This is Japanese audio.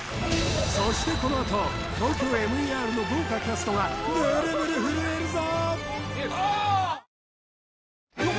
そしてこのあとＴＯＫＹＯＭＥＲの豪華キャストがブルブル震えるぞ！